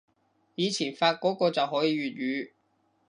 以前發個個就可以粵語